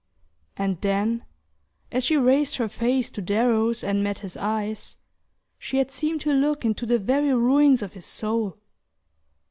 And then, as she raised her face to Darrow's and met his eyes, she had seemed to look into the very ruins of his soul.